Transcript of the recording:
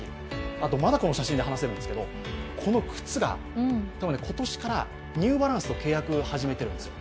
あと、まだこの写真で話せるんですけどこの靴が今年からニューバランスと契約を始めているんですよ。